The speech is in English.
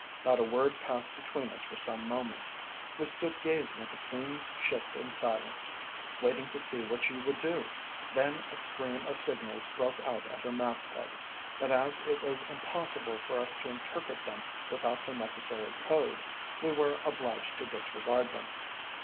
Not a word passed between us for some moments. We stood gazing at the Queen's ship in silence, waiting to see what she would do. Then a stream of signals broke out at her mast head, but as it was impossible for us to interpret them without the necessary code, we were obliged to disregard them.